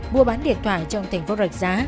mua bán điện thoại trong thành phố rạch giá